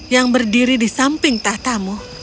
yang berdiri di samping tahtamu